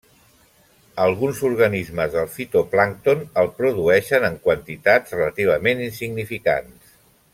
Alguns organismes del fitoplàncton el produeixen en quantitats relativament insignificants.